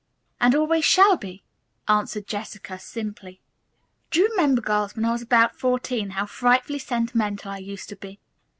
"And always shall be," answered Jessica simply. "Do you remember, girls, when I was about fourteen how frightfully sentimental I used to be.